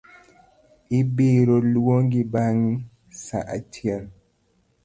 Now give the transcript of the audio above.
Ibiroluongi bang’ sa achiel